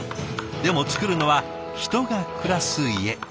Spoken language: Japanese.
でも造るのは人が暮らす家。